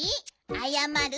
あやまる？